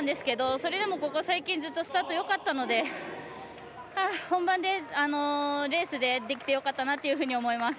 それでも、ここ最近ずっとスタートよかったので本番でレースでできてよかったなと思っています。